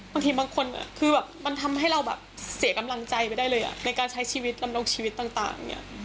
บางทีบางคนคือแบบมันทำให้เราเสียกำลังใจไปได้เลยอะในการใช้ชีวิตรำนวงชีวิตต่าง